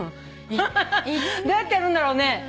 フフフどうやってやるんだろうね。